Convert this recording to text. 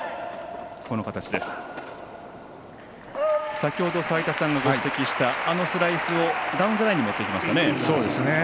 先ほど齋田さんがご指摘したあのスライスをダウンザラインに持っていきましたね。